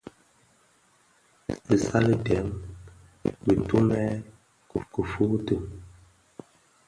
Bësali dèm bëtumèn kifuuti.